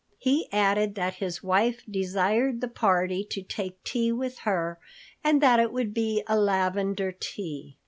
He added that his wife desired the party to take tea with her and that it would be a lavender tea.